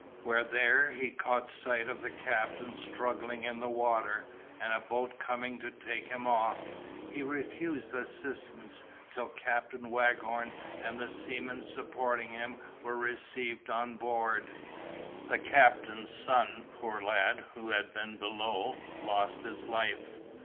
When there he caught sight of the captain struggling in the water, and a boat coming to take him off, he refused assistance, till Captain Waghorn and the seaman supporting him were received on board. The captain's son, poor lad, who had been below, lost his life.